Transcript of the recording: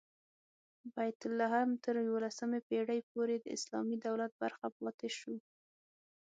بیت لحم تر یوولسمې پېړۍ پورې د اسلامي دولت برخه پاتې شو.